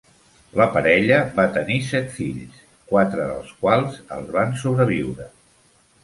La parella va tenir set fills, quatre dels quals els van sobreviure.